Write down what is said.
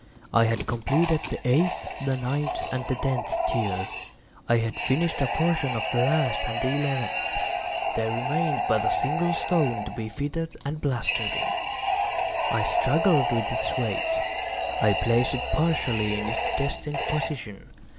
I had completed the eighth, the ninth, and the tenth tier. I had finished a portion of the last and the eleventh; there remained but a single stone to be fitted and plastered in. I struggled with its weight; I placed it partially in its destined position.